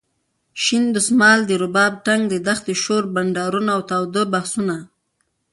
شین دسمال ،د رباب ټنګ د دښتې شور ،بنډارونه اوتاوده بحثونه.